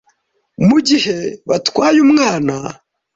mugihe batwaye umwana